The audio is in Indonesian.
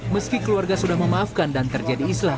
meski keluarga sudah memaafkan dan terjadi islah